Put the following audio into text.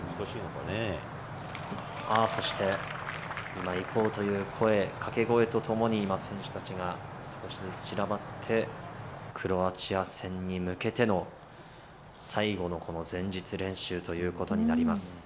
そして、今、行こうという声、掛け声とともに今、選手たちが少しずつ散らばって、クロアチア戦に向けての最後のこの前日練習ということになります。